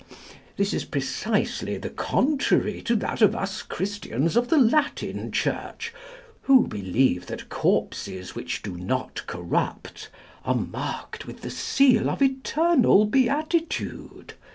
This is precisely the contrary to that of us Christians of the Latin church, who believe that corpses which do not corrupt are marked with the seal of eternal beatitude.